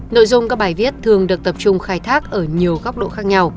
nội dung các bài viết thường được tập trung khai thác ở nhiều góc độ khác nhau